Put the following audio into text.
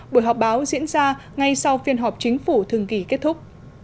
buổi họp báo diễn ra ngay sau phiên họp chính phủ thường kỳ kết thúc